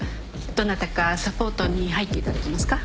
どなたかサポートに入っていただけますか？